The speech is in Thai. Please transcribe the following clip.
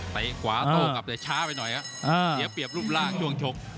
ขวาโต้กลับแต่ช้าไปหน่อยครับเสียเปรียบรูปร่างช่วงชก